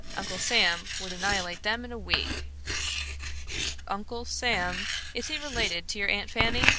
"Uncle Sam would annihilate them In a week." "Uncle Sam? Is he related to your Aunt Fanny?